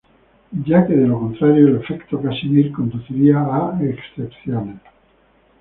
Ya que de lo contrario el efecto Casimir conduciría a excepciones.